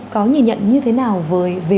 có nhìn nhận như thế nào về